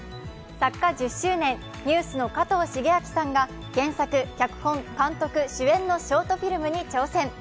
作家１０周年、ＮＥＷＳの加藤シゲアキさんが原作、脚本、監督、主演のショートフィルムに挑戦。